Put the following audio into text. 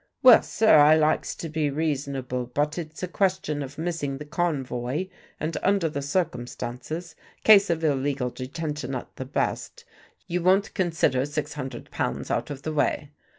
"Well, sir, I likes to be reasonable; but it's a question of missing the convoy, and under the circumstances case of illegal detention at the best you won't consider six hundred pounds out of the way.